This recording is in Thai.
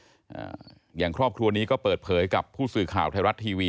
อย่างครอบครัวนี้ก็เปิดเผยกับผู้สื่อข่าวไทยรัฐทีวี